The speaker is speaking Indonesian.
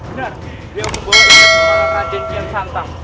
benar dia membohongi kebenaran raden kian santang